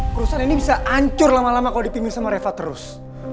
perusahaan ini bisa hancur lama lama kalau dipimpin sama reva terus